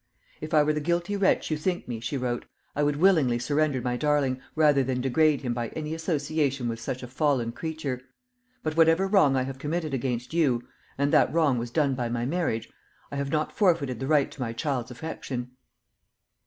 "If I were the guilty wretch you think me," she wrote, "I would willingly surrender my darling, rather than degrade him by any association with such a fallen creature. But whatever wrong I have committed against you and that wrong was done by my marriage I have not forfeited the right to my child's affection."